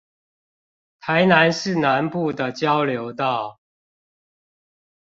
臺南市南部的交流道